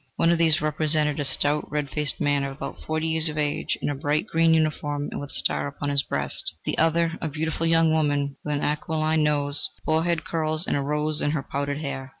One of these represented a stout, red faced man of about forty years of age in a bright green uniform and with a star upon his breast; the other a beautiful young woman, with an aquiline nose, forehead curls and a rose in her powdered hair.